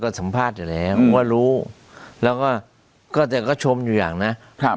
สัมภาษณ์อยู่แล้วว่ารู้แล้วก็ก็แต่ก็ชมอยู่อย่างนะครับ